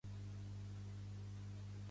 Pertany al moviment independentista el Julià?